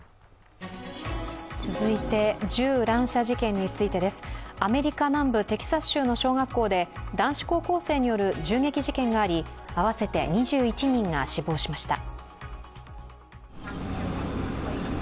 続いて、銃乱射事件についてですアメリカ南部テキサス州の小学校で男子高校生による銃撃事件があり、合わせて２１人が死亡しました。